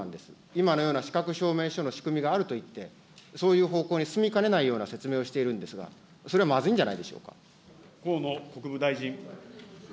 今のような資格証明書の仕組みがあると言って、そういう方向に進みかねないような説明をしているんですが、それはまずいんじゃないでしょうか。